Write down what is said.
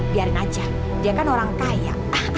biarin aja dia kan orang kaya